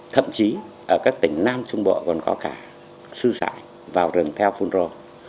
thậm chí ở các tỉnh nam trung bộ còn có cả sư xã vào rừng theo phunro